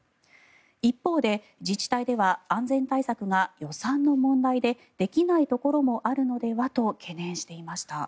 一方で、自治体では安全対策が予算の問題でできないところもあるのではと懸念していました。